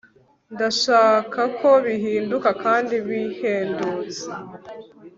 Ndashaka ko bihinduka kandi bihendutse